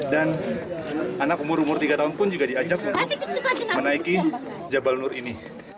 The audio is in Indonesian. dan anak umur umur tiga tahun pun juga diajak untuk menaiki jabal nur ini